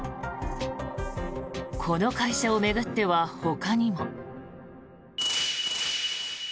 この会社を巡ってはほかにも。